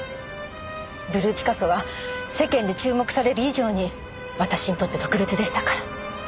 ブルーピカソは世間で注目される以上に私にとって特別でしたから。